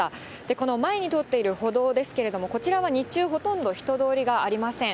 この前に通っている歩道ですけれども、こちらは日中、ほとんど人通りがありません。